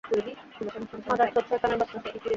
মাদারচোদ শয়তানের বাচ্চা।